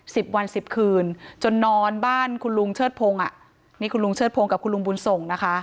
สิบวันสิบคืนจนนอนบ้านคุณลุงเชิดพงศ์อ่ะนี่คุณลุงเชิดพงศ์กับคุณลุงบุญส่งนะคะ